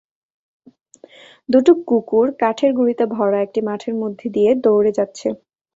দুটো কুকুর কাঠের গুঁড়িতে ভরা একটা মাঠের মধ্যে দিয়ে দৌড়ে যাচ্ছে।